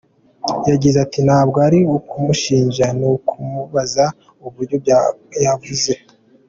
Yagize ati “Ntabwo ari ukumushinja, ni ukumubaza ku byo yavuze.